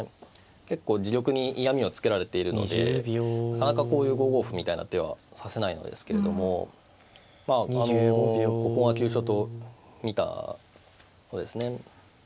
結構自玉に嫌みをつけられているのでなかなかこういう５五歩みたいな手は指せないのですけれどもまああのここが急所と見たんですね。